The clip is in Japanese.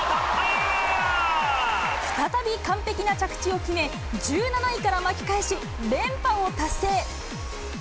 再び完璧な着地を決め、１７位から巻き返し、連覇を達成。